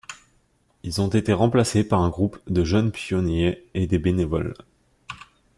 Ils ont été remplacés par un groupe de jeunes pionniers et des bénévoles.